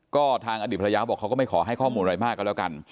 ก็ทางอดีตภรรยาเขาบอกเขาก็ไม่ขอให้ข้อมูลอะไรมากก็แล้วกัน